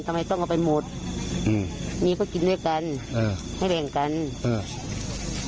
ทำไมต้องเอาไปหมดอืมมีก็กินด้วยกันเออให้แบ่งกันเออ